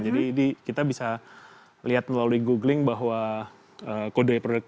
jadi kita bisa lihat melalui googling bahwa kode produk